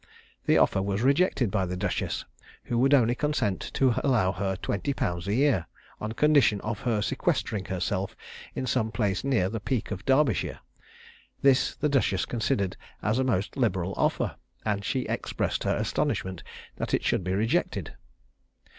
The offer was rejected by the duchess, who would only consent to allow her twenty pounds a year, on condition of her sequestering herself in some place near the Peak of Derbyshire. This the duchess considered as a most liberal offer; and she expressed her astonishment that it should be rejected.